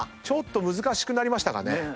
ちょっと難しくなりましたかね。